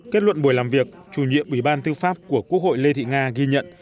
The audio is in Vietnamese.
kết luận buổi làm việc chủ nhiệm ủy ban tư pháp của quốc hội lê thị nga ghi nhận